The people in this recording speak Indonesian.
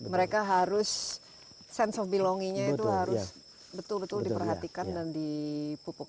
mereka harus sense of belongingnya itu harus betul betul diperhatikan dan dipupuk